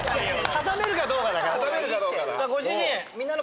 挟めるかどうかだ。